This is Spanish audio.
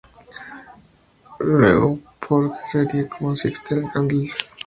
Luego se optó por que sería como "Sixteen Candles".